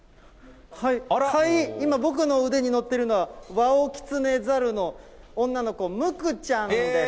今、僕の腕に乗ってるのは、ワオキツネザルの女の子、ムクちゃんです。